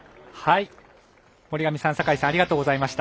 森上さん、酒井さんありがとうございました。